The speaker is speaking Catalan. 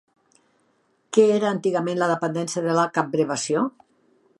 Què era antigament la dependència de la capbrevació?